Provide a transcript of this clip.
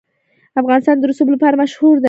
افغانستان د رسوب لپاره مشهور دی.